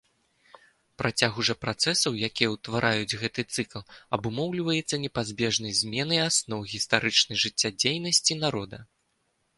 Працягу жа працэсаў, якія ўтвараюць гэты цыкл, абумоўліваецца непазбежнай зменай асноў гістарычнай жыццядзейнасці народа.